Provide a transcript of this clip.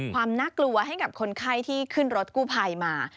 ความน่ากลัวให้กับคนไข้ที่ขึ้นรถกู้ภัยมา